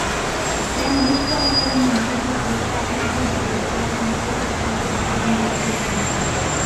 সমাবেশ চলাকালে মঞ্চের কাছে সাতমাথায় দুর্বৃৃত্তরা পাঁচ থেকে ছয়টি হাতবোমার বিস্ফোরণ ঘটায়।